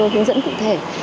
hướng dẫn cụ thể